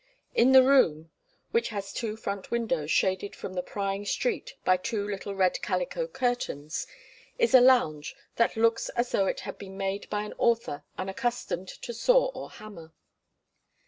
In the room, which has two front windows shaded from the prying street by two little red calico curtains, is a lounge that looks as though it had been made by an author unaccustomed to saw or hammer.